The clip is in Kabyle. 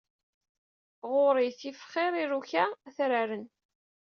Ɣur-i tif xir iruka atraren.